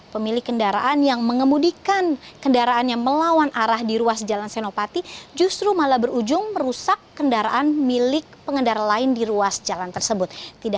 pemilik kendaraan yang mengemudikan kendaraannya melawan arah di ruas jalan senopati justru malah berujung merusak kendaraan milik pengendara lain di ruas jalan tersebut